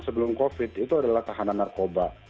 sebelum covid itu adalah tahanan narkoba